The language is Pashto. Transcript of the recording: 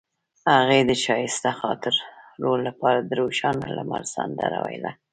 هغې د ښایسته خاطرو لپاره د روښانه لمر سندره ویله.